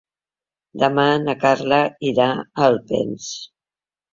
Demà na Carla irà a Alpens.